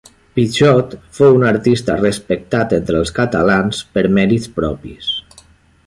Pitxot fou un artista respectat entre els catalans per mèrits propis.